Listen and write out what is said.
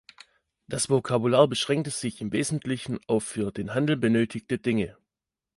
Das Vokabular beschränkte sich im Wesentlichen auf für den Handel benötigte Dinge.